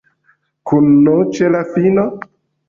Kun n ĉe la fino?